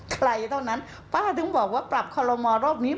เท่านั้นป้าถึงบอกว่าปรับคอลโลมอลรอบนี้